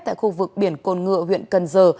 tại khu vực biển cồn ngựa huyện cần giờ